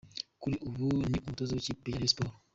Kuri ubu ni umutoza w’ikipe ya Rayon Sports.